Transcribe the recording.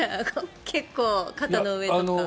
結構、肩の上とか。